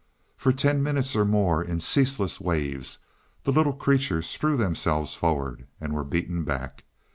For ten minutes or more in ceaseless waves, the little creatures threw themselves forward, and were beaten back.